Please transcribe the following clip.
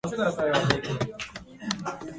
人口激減の恐れ